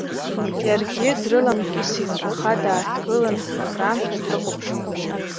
Иаргьы дрыламкьысит, аха дааҭгылан акраамҭа дрыхәаԥшуан.